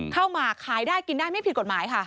หมากขายได้กินได้ไม่ผิดกฎหมายค่ะ